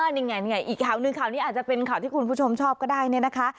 นี่ไงอีกข่าวหนึ่งข่าวนี้อาจจะเป็นข่าวที่คุณผู้ชมชอบก็ได้เนี่ยนะคะ